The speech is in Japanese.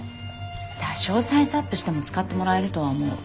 多少サイズアップしても使ってもらえるとは思う。